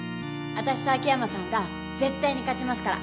わたしと秋山さんが絶対に勝ちますから。